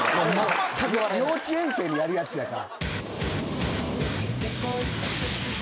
幼稚園生にやるやつやから。